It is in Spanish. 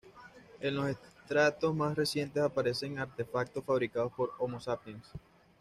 En los estratos más recientes aparecen artefactos fabricados por "Homo sapiens".